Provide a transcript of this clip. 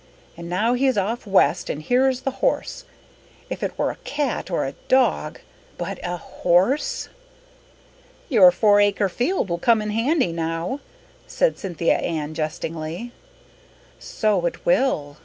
And now he's off west and here is the horse. If it were a cat or a dog but a horse!" "Your four acre field will come in handy now," said Cynthia Ann jestingly. "So it will."